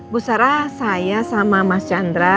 bu sarah saya sama mas chandra